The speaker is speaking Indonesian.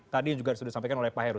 tadi juga sudah disampaikan oleh pak heru